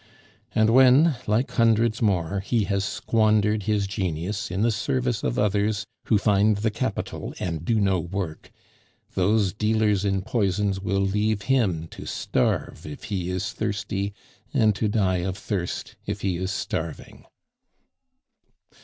And when, like hundreds more, he has squandered his genius in the service of others who find the capital and do no work, those dealers in poisons will leave him to starve if he is thirsty, and to die of thirst if he is starving."